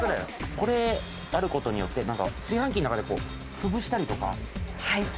これがあることによって炊飯器の中で潰したりとか。